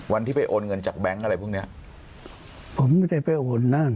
วันที่ไปโอนเงินจากแบงค์อะไรพวกเนี้ยผมไม่ได้ไปโอนนั่น